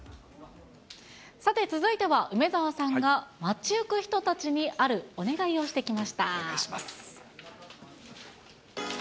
さて、続いては、梅澤さんが街行く人たちにあるお願いをしてきました。